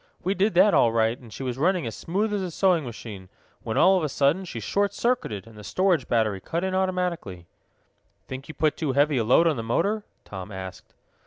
We did that all right, and she was running as smooth as a sewing machine, when, all of a sudden, she short circuited, and the storage battery cut in automatically." "Think you put too heavy a load on the motor?" Tom asked.